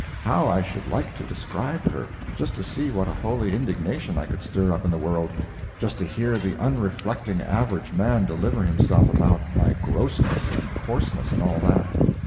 How I should like to describe her just to see what a holy indignation I could stir up in the world just to hear the unreflecting average man deliver himself about my grossness and coarseness, and all that.